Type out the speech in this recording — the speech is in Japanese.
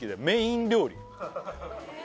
メイン料理